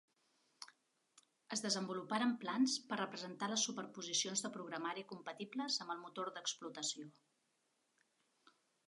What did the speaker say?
Es desenvoluparen plans per representar les superposicions de programari compatibles amb el motor d'exploració.